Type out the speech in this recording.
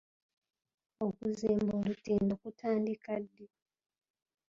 Okuzimba olutindo kutandika ddi?